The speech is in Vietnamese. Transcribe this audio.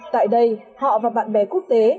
tại đây họ và bạn bè quốc tế